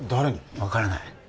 分からない